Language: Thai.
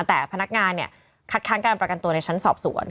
แต่พนักงานเนี่ยคัดค้างการประกันตัวในชั้นสอบสวน